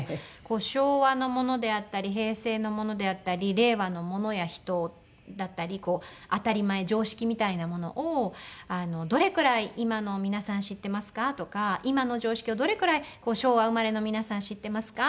昭和のものであったり平成のものであったり令和のものや人だったり当たり前常識みたいなものをどれくらい今の皆さん知っていますか？とか今の常識をどれくらい昭和生まれの皆さん知っていますか？